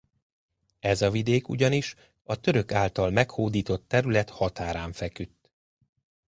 Ez a vidék ugyanis a török által meghódított terület határán feküdt.